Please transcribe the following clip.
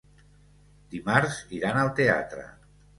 Dimarts iran al teatre.